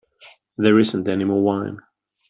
There isn't any more wine.